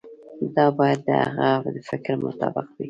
دا باید د هغه د فکر مطابق وي.